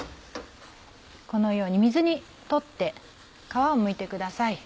このように水にとって皮をむいてください。